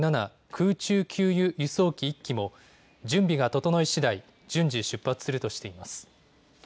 空中給油・輸送機１機も準備が整いしだい順次、出発するとしています。